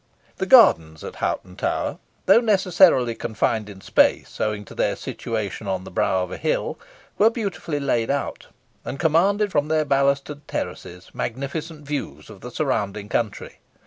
The gardens at Hoghton Tower, though necessarily confined in space, owing to their situation on the brow of a hill, were beautifully laid out, and commanded from their balustred terraces magnificent views of the surrounding country.